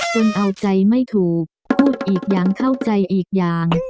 จนเอาใจไม่ถูกพูดอีกอย่างเข้าใจอีกอย่าง